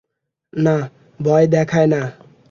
না, ভয় দেখায় না।